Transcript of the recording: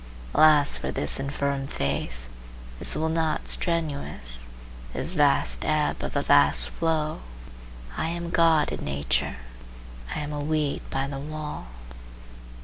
Alas for this infirm faith, this will not strenuous, this vast ebb of a vast flow! I am God in nature; I am a weed by the wall.